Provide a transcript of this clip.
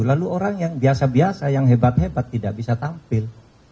lalu orang yang biasa biasa yang hebat hebat tidak bisa tampil